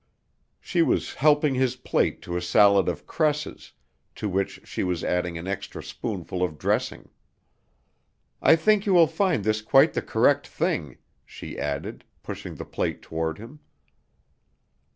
She was helping his plate to a salad of cresses, to which she was adding an extra spoonful of dressing. "I think you will find this quite the correct thing," she added, pushing the plate toward him.